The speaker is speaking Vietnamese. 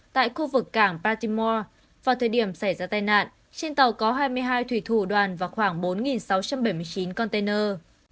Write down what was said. tại khu vực cảng patimo vào thời điểm xảy ra tai nạn trên tàu có hai mươi hai thủy thủ đoàn và khoảng bốn sáu trăm bảy mươi chín container